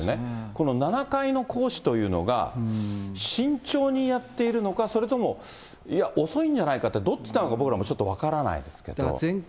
この７回の行使というのが、慎重にやっているのか、それともいや、遅いんじゃないかって、どっちなのか、僕らもちょっと分からないですけど。